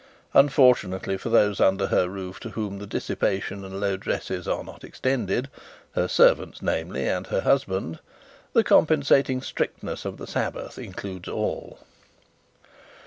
Unfortunately for those under her roof to whom the dissipation and low dresses are not extended, her servants namely and her husband, the compensating strictness of the Sabbath includes all.